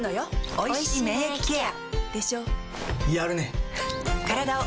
おいしい免疫ケア